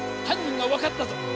犯人が分かったぞ！